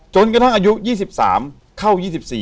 จนกระทั่งอายุ๒๓เข้า๒๔